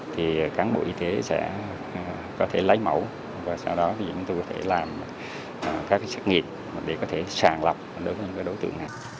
thì cán bộ y tế sẽ có thể lấy mẫu và sau đó diễn tư có thể làm các xét nghiệm để có thể sàn lọc đối tượng này